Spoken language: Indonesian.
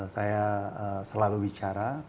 saya selalu bicara